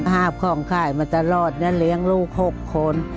หาบของขายมาตลอดและเลี้ยงลูก๖คน